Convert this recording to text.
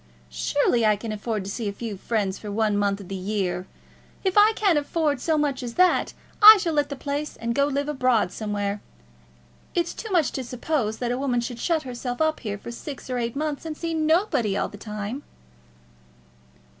Surely I can afford to see a few friends for one month in the year. If I find I can't afford so much as that, I shall let the place, and go and live abroad somewhere. It's too much to suppose that a woman should shut herself up here for six or eight months and see nobody all the time."